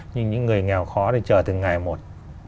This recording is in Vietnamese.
nhưng những người nghèo khó thì chờ từng ngày một